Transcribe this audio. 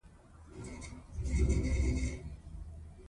ایوب خان به ورسره یو ځای سوی وي.